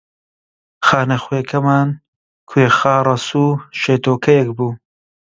خانەخوێکەمان کوێخا ڕەسوو شێتۆکەیەک بوو